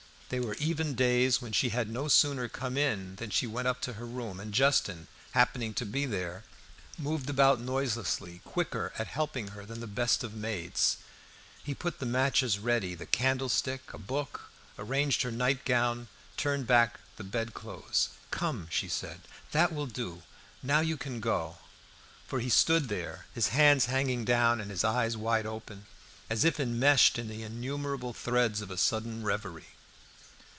There were even days when she had no sooner come in than she went up to her room; and Justin, happening to be there, moved about noiselessly, quicker at helping her than the best of maids. He put the matches ready, the candlestick, a book, arranged her nightgown, turned back the bedclothes. "Come!" said she, "that will do. Now you can go." For he stood there, his hands hanging down and his eyes wide open, as if enmeshed in the innumerable threads of a sudden reverie.